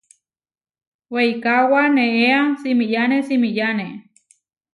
Weikaóba neéa simiyáne simiyáne.